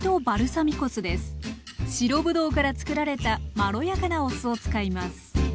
白ぶどうからつくられたまろやかなお酢を使います。